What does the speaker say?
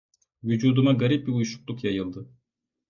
Vücuduma garip bir uyuşukluk yayıldı.